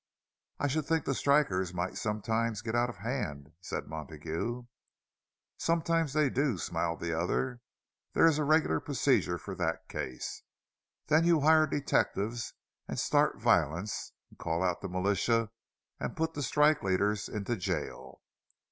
"I should think the strikers might sometimes get out of hand," said Montague. "Sometimes they do," smiled the other. "There is a regular procedure for that case. Then you hire detectives and start violence, and call out the militia and put the strike leaders into jail."